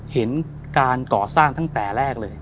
เห็นการก่อสร้างตั้งแต่แรกเลย